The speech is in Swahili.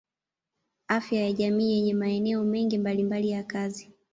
Afya ya jamii yenye maeneo mengi mbalimbali ya kazi.